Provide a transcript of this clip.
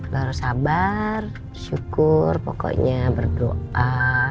lo harus sabar syukur pokoknya berdoa